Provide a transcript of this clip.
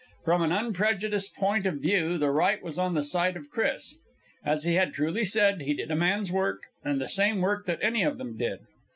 From an unprejudiced point of view, the right was on the side of Chris. As he had truly said, he did a man's work, and the same work that any of them did.